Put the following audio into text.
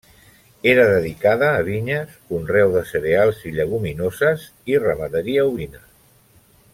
Era dedicada a vinyes, conreu de cereals i lleguminoses i ramaderia ovina.